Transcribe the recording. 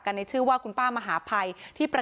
ตรงนี้ที่คุณพูดนะพี่เห็นดีด้วยนะ